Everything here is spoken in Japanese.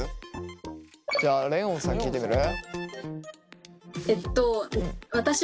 じゃあレオンさん聞いてみる？